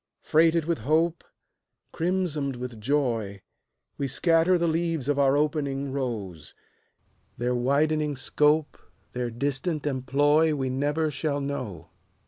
Freighted with hope, Crimsoned with joy, We scatter the leaves of our opening rose; Their widening scope, Their distant employ, We never shall know.